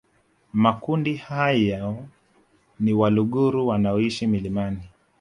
Makundi hayo ni Waluguru wanaoishi milimani